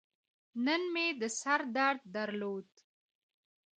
نن مې د سر درد درلود.